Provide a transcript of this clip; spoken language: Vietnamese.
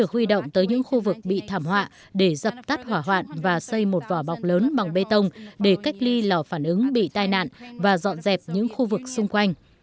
huy động tới những khu vực bị thảm họa để dập tắt hỏa hoạn và xây một vỏ bọc lớn bằng bê tông để cách ly lò phản ứng bị tai nạn và dọn dẹp những khu vực xung quanh